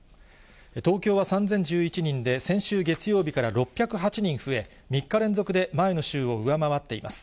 東京は３０１１人で、先週月曜日から６０８人増え、３日連続で前の週を上回っています。